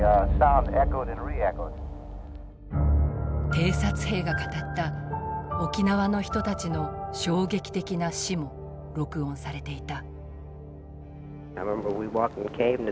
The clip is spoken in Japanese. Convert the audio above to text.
偵察兵が語った沖縄の人たちの衝撃的な死も録音されていた。